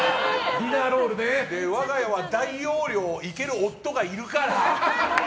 我が家は大容量いける夫がいるから。